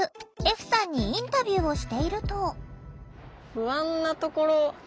歩さんにインタビューをしていると。